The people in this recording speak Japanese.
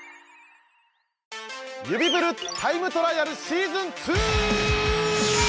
「指プルタイムトライアルシーズン２」！